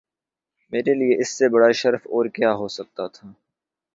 میرے لیے اس سے بڑا شرف اور کیا ہو سکتا تھا